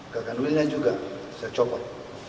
kekan wheel nya juga saya copot